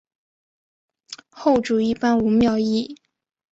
后主一般无庙谥。